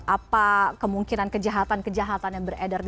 apa kemungkinan kejahatan kejahatan yang beredar di media sosial